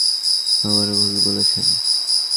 আবারও ভুল বলেছেন।